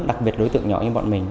đặc biệt đối tượng nhỏ như bọn mình